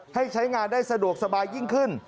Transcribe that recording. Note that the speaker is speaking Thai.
ให้ใช้งานได้สะดวกสบายยิ่งขึ้น